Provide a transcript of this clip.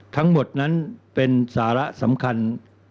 ทั้งหมดนั้นเป็นสาระสำคัญ